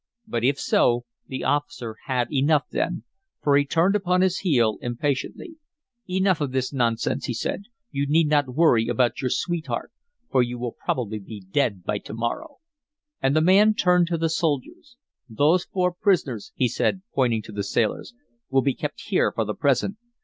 But if so, the officer had enough then, for he turned upon his heel impatiently. "Enough of this nonsense," he said. "You need not worry about your sweetheart, for you will probably be dead by to morrow." And the man turned to the soldiers. "Those four prisoners," he said, pointing to the sailors, "will be kept here for the present.